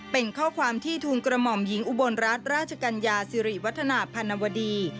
เป็นข้อความที่ทูลกระหม่อมหญิงอุบลรัฐราชกัญญาสิริวัฒนาพันวดี